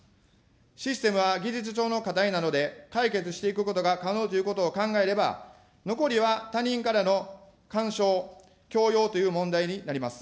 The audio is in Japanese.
システムは技術上の課題なので、解決していくことが可能ということを考えれば、残りは他人からの干渉、強要という問題になります。